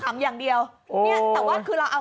แถมมีสรุปอีกต่างหาก